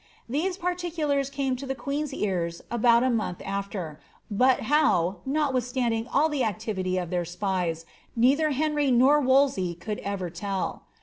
These particulars came to the quecn^s ears about a month aAer, but how, notwithstanding all the activity of their spies, neither Henry nor Wolsey could ever tell.